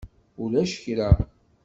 Ulac kra.